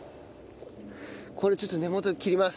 これちょっと根元切ります。